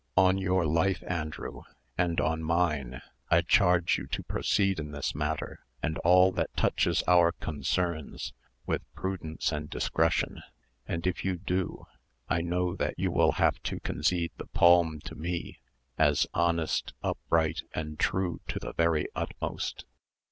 On your life, Andrew, and on mine, I charge you to proceed in this matter, and all that touches our concerns, with prudence and discretion; and if you do, I know that you will have to concede the palm to me, as honest, upright, and true to the very utmost."